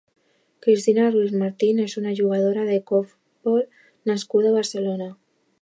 Cristina Ruiz Martin és una jugadora de corfbol nascuda a Barcelona.